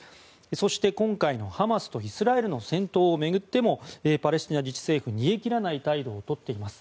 そして、今回のハマスとイスラエルの戦闘を巡ってもパレスチナ自治政府は煮え切らない態度をとっています。